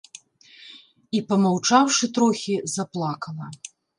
І, памаўчаўшы трохі, заплакала.